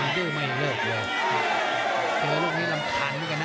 ดูไม่เลิกเลย